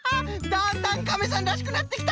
だんだんカメさんらしくなってきた！